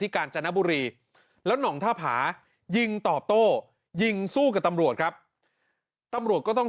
กาญจนบุรีแล้วหน่องท่าผายิงตอบโต้ยิงสู้กับตำรวจครับตำรวจก็ต้อง